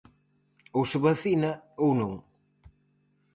Ou se vacina, ou non.